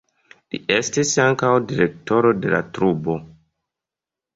Li estis ankaŭ direktoro de la trupo.